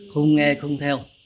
không nghe không theo